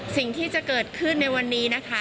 สิ่งที่จะเกิดขึ้นในวันนี้นะคะ